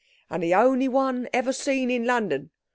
And the only one ever seen in London.